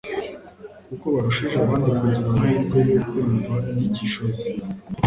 kuko barushije abandi kugira amahirwe yo kumva inyigisho ze,